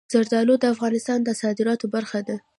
زردالو د افغانستان د صادراتو برخه ده.